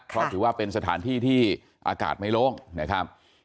เพราะถือว่าเป็นสถานที่ที่อากาศไม่โล่งนะครับ